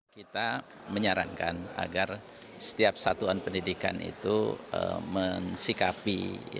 kita menyarankan agar setiap satuan pendidikan itu mensikapi